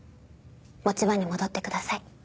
持ち場に戻ってください。